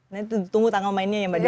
nanti tunggu tanggal mainnya ya mbak desi ya